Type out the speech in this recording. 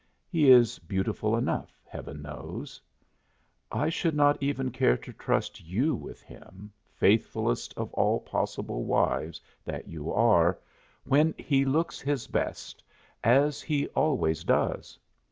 He is beautiful enough, Heaven knows; I should not even care to trust you with him faithfulest of all possible wives that you are when he looks his best, as he always does.